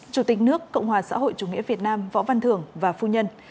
chủ tịch nước cộng hòa xã hội chủ nghĩa việt nam võ văn thưởng và phu nhân